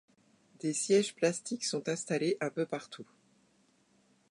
Des sièges plastiques sont installés un peu partout.